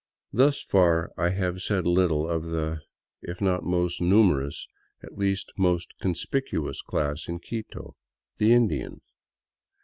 Thus far I have said Httle of the, if not most numerous, at least most conspicuous class in Quito, — the Indians.